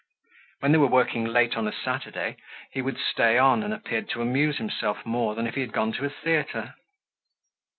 When they were working late on a Saturday he would stay on, and appeared to amuse himself more than if he had gone to a theatre.